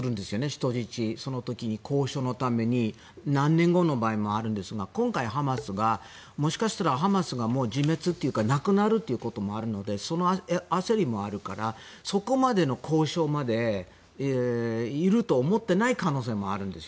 人質をその時に交渉のために何年後の場合もあるんですが今回、もしかしたらハマスが自滅というかなくなることもあるのでその焦りもあるからそこまでの交渉までいると思ってない可能性もあるんです。